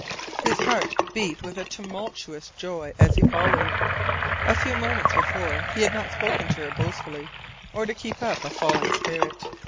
His heart beat with a tumultuous joy as he followed. A few moments before he had not spoken to her boastfully, or to keep up a falling spirit.